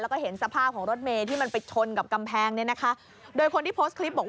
และก็เห็นสภาพของรถเมฆที่มันไปชนกับกำแพงโดยคนที่โพสต์คลิปบอกว่า